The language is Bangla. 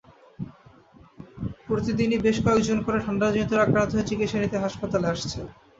প্রতিদিনই বেশ কয়েকজন করে ঠান্ডাজনিত রোগে আক্রান্ত হয়ে চিকিৎসা নিতে হাসপাতালে আসছে।